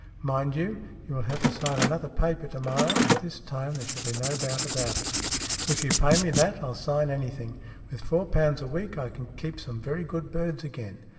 Mind you, you will have to sign another paper to morrow, and this time there shall be no doubt about it." " If you pay me that, I'll sign anything. With four pounds a week I can keep some very good birds again.